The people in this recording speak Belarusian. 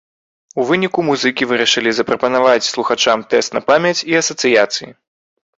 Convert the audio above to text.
У выніку музыкі вырашылі запрапанаваць слухачам тэст на памяць і асацыяцыі.